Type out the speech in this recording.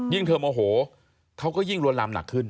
เธอโมโหเขาก็ยิ่งลวนลามหนักขึ้น